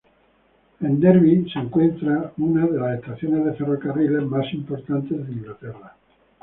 En Derby se encuentra una de las estaciones de ferrocarriles más importantes de Inglaterra.